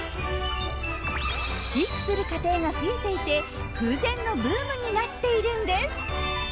飼育する家庭が増えていて空前のブームになっているんです。